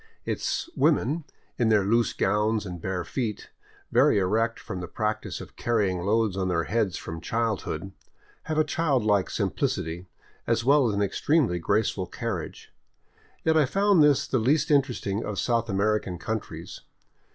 Its women, in their loose gowns and bare feet, very erect from the practice of carry ing loads on their heads from childhood, have a childlike simplicity, as well as an extremely graceful carriage. Yet I found this the least interesting of South American countries.